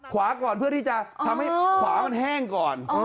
ขวาก่อนเพื่อที่จะทำให้ขวามันแห้งก่อน